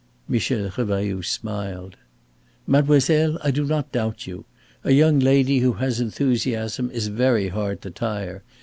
Michel Revailloud smiled. "Mademoiselle, I do not doubt you. A young lady who has enthusiasm is very hard to tire.